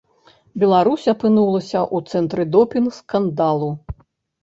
Беларусь апынулася ў цэнтры допінг-скандалу.